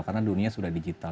karena dunia sudah digital